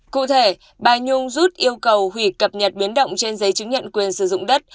cụ thể bà nhung rút yêu cầu hủy cập nhật biến động trên giấy chứng nhận quyền sử dụng đất